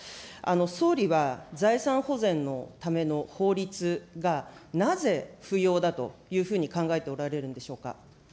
総理は、財産保全のための法律が、なぜ不要だというふうに考えておられるんでしょうか。